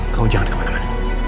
kau jangan kemana mana